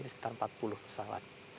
sekitar empat puluh pesawat